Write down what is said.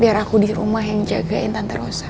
biar aku di rumah yang jagain tante rosa